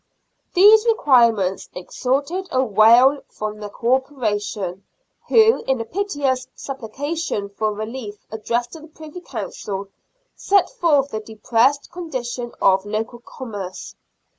These requirements extorted a wail from the Corpora tion, who, in a piteous supplication for relief addressed to the Privy Council, set forth the depressed condition of local commerce.